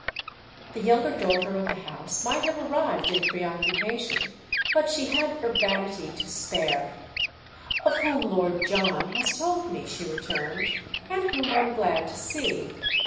The younger daughter of the house might have arrived in preoccupation, but she had urbanity to spare. "Of whom Lord John has told me," she returned, "and whom I'm glad to see.